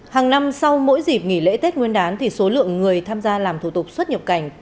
hàng năm sau mỗi dịp nghỉ lễ tết nguyên đán thì số lượng người tham gia làm thủ tục xuất nhập cảnh